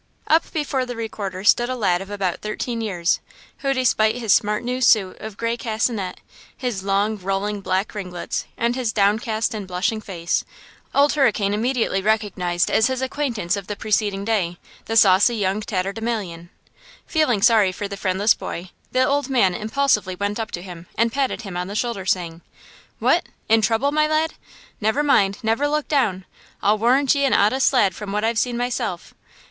Up before the Recorder stood a lad of about thirteen years, who, despite his smart, new suit of gray casinet, his long, rolling, black ringlets and his downcast and blushing face, Old Hurricane immediately recognized as his acquaintance of the preceding day, the saucy young tatterdemalion. Feeling sorry for the friendless boy, the old man impulsively went up to him and patted him on the shoulder, saying: "What! In trouble, my lad? Never mind; never look down! I'll warrant ye an honest lad from what I've seen myself.